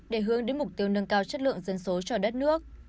để hướng đến mục tiêu nâng cao chất lượng dân số cho đất nước